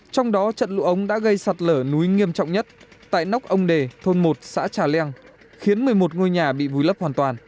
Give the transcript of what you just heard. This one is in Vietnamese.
trong đó trận lũ ống đã gây sạt lở núi nghiêm trọng nhất tại nóc ông đề thôn một xã trà leng khiến một mươi một ngôi nhà bị vùi lấp hoàn toàn